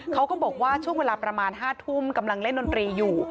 เขาก็บอกว่าช่วงเวลาประมาณ๕ทุ่มกำลังเล่นดนตรีอยู่